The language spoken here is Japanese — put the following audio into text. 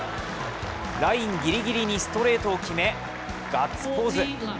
ラインぎりぎりにストレートを決め、ガッツポーズ。